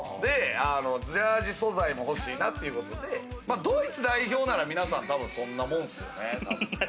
ジャージー素材も欲しいなというので、ドイツ代表なら皆さん、そんなもんすよね。